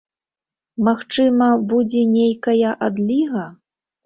Магчыма, будзе нейкая адліга?